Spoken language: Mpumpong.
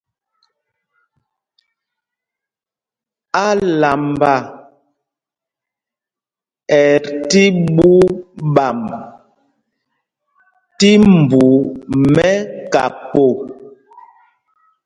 Álamba ɛ́ tí ɓuu ɓamb tí mbu mɛ́kapo.